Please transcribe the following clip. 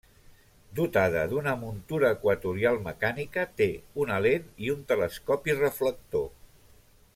Dotada d'una muntura equatorial mecànica, té una lent i un telescopi reflector.